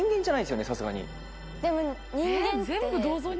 でも。